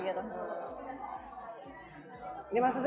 ini maksudnya sosok dia seperti apa gitu